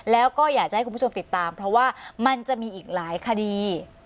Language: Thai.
แล้วก็อยากจะให้คุณผู้ชมติดตามเพราะว่ามันจะมีอีกหลายคดี